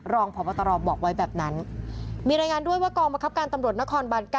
รองพบตรบอกไว้แบบนั้นมีรายงานด้วยว่ากองบังคับการตำรวจนครบาน๙